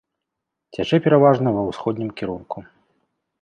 Цячэ пераважна ва ўсходнім кірунку.